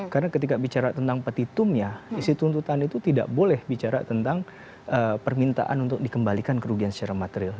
karena ketika bicara tentang petitumnya isi tuntutan itu tidak boleh bicara tentang permintaan untuk dikembalikan kerugian secara material